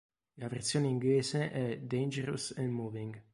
La versione inglese è "Dangerous and Moving".